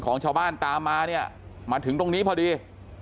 ของชาวบ้านตามมาเนี่ยมาถึงตรงนี้พอดี